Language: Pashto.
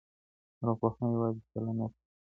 ارواپوهنه يوازې چلن نه څېړي.